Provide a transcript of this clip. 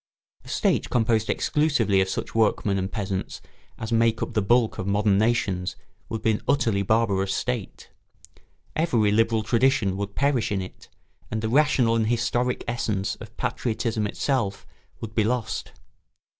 A state composed exclusively of such workmen and peasants as make up the bulk of modern nations would be an utterly barbarous state. Every liberal tradition would perish in it; and the rational and historic essence of patriotism itself would be lost.